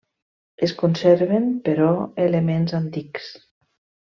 Es conserven, però elements antics.